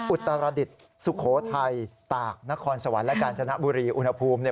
อุตรดิษฐ์สุโขทัยตากนครสวรรค์และกาญจนบุรีอุณหภูมิเนี่ย